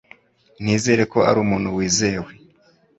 Nizera ko ari umuntu wizewe.